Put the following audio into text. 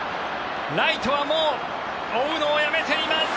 ライトはもう追うのをやめています！